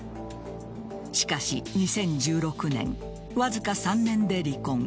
しかし２０１６年わずか３年で離婚。